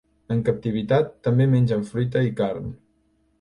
En captivitat, també mengen fruita i carn.